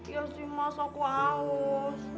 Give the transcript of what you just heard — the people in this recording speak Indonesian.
ya sih mas aku haus